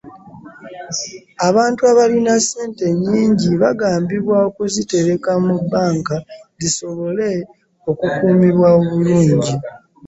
Abantu abalina ssente ennnnyingi bagambibwa okuzitereka mu banka zisobolwe okukumibwa obulungi.